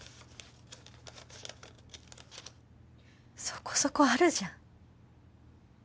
そこそこあるじゃん。